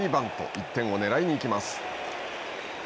１点をねらいに行きます。